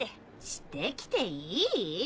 「して来ていい」？